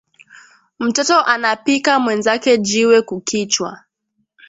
Mtoto anapika mwenzake jiwe ku kichwa